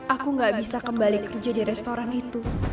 aku gak bisa kembali kerja di restoran itu